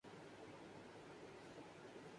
Social media پر مباحثے کی اہمیت بڑھتی جا رہی ہے۔